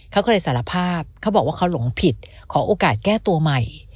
เขาก็เลยสารภาพเขาบอกว่าเขาหลงผิดขอโอกาสแก้ตัวใหม่